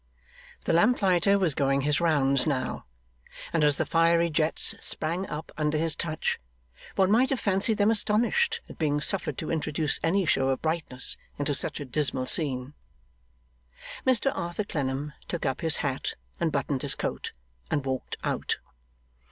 The lamplighter was going his rounds now; and as the fiery jets sprang up under his touch, one might have fancied them astonished at being suffered to introduce any show of brightness into such a dismal scene. Mr Arthur Clennam took up his hat and buttoned his coat, and walked out.